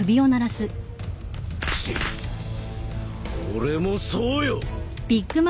チッ俺もそうよ！